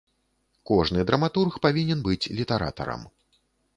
Кожны драматург павінен быць літаратарам.